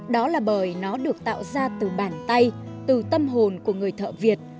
đó là bởi nó được tạo ra từ bàn tay từ tâm hồn của người thợ việt